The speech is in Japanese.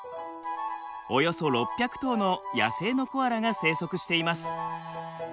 およそ６００頭の野生のコアラが生息しています。